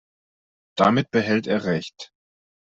Damit behält er Recht.